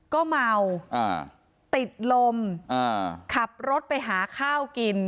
ก็เมาอ่าติดลมอ่าขับรถไปหาข้าวกิน